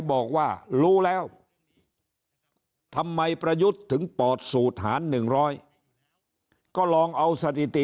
บอกว่ารู้แล้วทำไมประยุทธ์ถึงปอดสูตรหาร๑๐๐ก็ลองเอาสถิติ